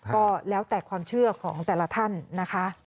ก็แล้วแต่ความเชื่อของแต่ละท่านนะคะ